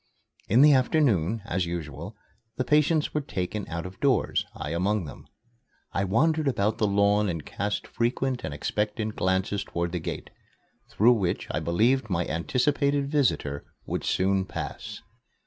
In the afternoon, as usual, the patients were taken out of doors, I among them. I wandered about the lawn and cast frequent and expectant glances toward the gate, through which I believed my anticipated visitor would soon pass.